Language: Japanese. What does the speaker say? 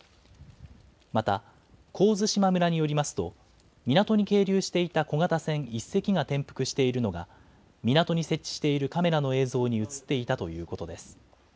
また神津島村によりますと港に係留していた小型船１隻が転覆しているのが港に設置しているカメラの映像に写っていたということです。